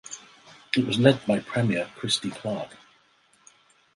It was led by Premier Christy Clark.